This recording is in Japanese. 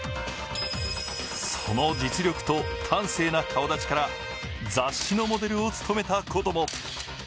その実力と端正な顔だちから雑誌のモデルを務めたことも。